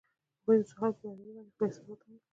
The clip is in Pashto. هغوی د ساحل پر لرګي باندې خپل احساسات هم لیکل.